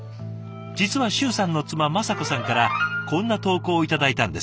実は周さんの妻雅子さんからこんな投稿を頂いたんです。